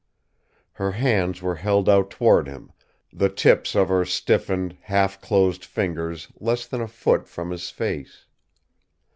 Her hands were held out toward him, the tips of her stiffened, half closed fingers less than a foot from his face.